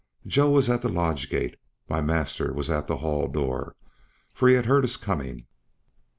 Joe was at the lodge gate; my master was at the Hall door, for he had heard us coming.